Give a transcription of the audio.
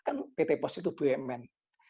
kan pt pos itu bumn